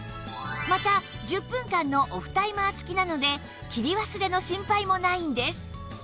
また１０分間のオフタイマー付きなので切り忘れの心配もないんです